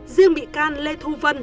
riêng bị can lê thu vân